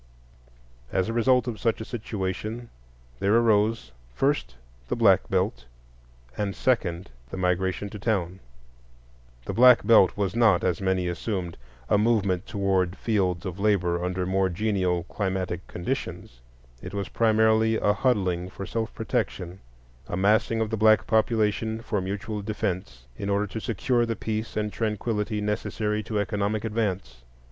As a result of such a situation, there arose, first, the Black Belt; and, second, the Migration to Town. The Black Belt was not, as many assumed, a movement toward fields of labor under more genial climatic conditions; it was primarily a huddling for self protection,—a massing of the black population for mutual defence in order to secure the peace and tranquillity necessary to economic advance.